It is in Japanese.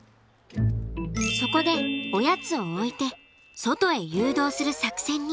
そこでおやつを置いて外へ誘導する作戦に。